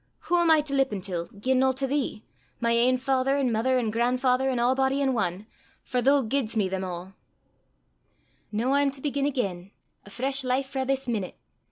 Wha am I to lippen til, gien no to thee, my ain father an' mither an' gran'father an' a'body in ane, for thoo giedst me them a'! "Noo I'm to begin again a fresh life frae this meenute!